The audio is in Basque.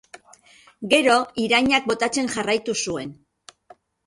Gero, irainak botatzen jarraitu zuen.